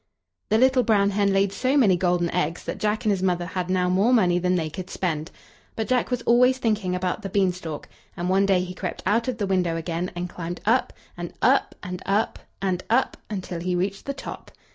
The little brown hen laid so many golden eggs that Jack and his mother had now more money than they could spend. But Jack was always thinking about the beanstalk; and one day he crept out of the window again, and climbed up, and up, and up, and up, until he reached the top.